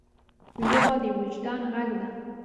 ژبه د وجدان ږغ ده.